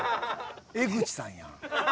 江口さんやん。